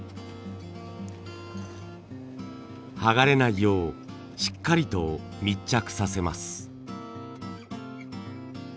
剥がれないようしっかりと密着させます。